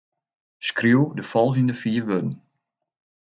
Skriuw de folgjende fiif wurden.